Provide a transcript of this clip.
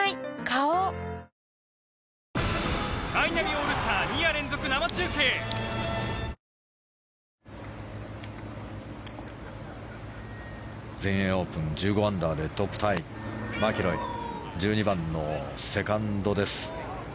花王全英オープン１５アンダーでトップタイマキロイ１２番のセカンドです。